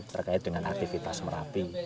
terkait dengan aktivitas merapi